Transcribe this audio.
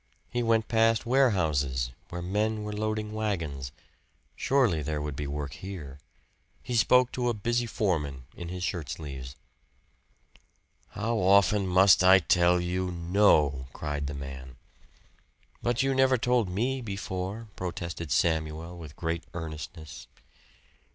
He went past warehouses, where men were loading wagons surely there would be work here. He spoke to a busy foreman in his shirt sleeves. "How often must I tell you no?" cried the man. "But you never told me before," protested Samuel with great earnestness.